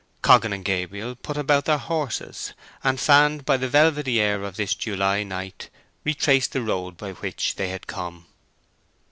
Coggan and Gabriel put about their horses, and, fanned by the velvety air of this July night, retraced the road by which they had come.